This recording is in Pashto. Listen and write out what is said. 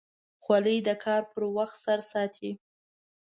خولۍ د کار پر وخت سر ساتي.